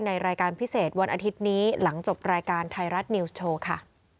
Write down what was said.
รายการพิเศษวันอาทิตย์นี้หลังจบรายการไทยรัฐนิวส์โชว์ค่ะ